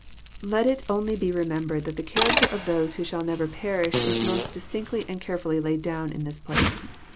Let it only be remembered that the character of those who shall never perish is most distinctly and carefully laid down in this place.